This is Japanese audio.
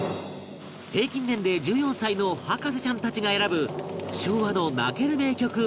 平均年齢１４歳の博士ちゃんたちが選ぶ昭和の泣ける名曲